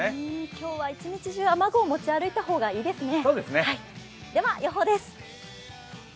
今日は一日中、雨具を持ち歩いた方が良さそうですね。